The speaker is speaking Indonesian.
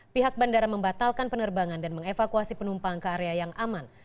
pihak bandara membatalkan penerbangan dan mengevakuasi penumpang ke area yang aman